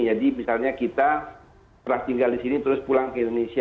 misalnya kita pernah tinggal di sini terus pulang ke indonesia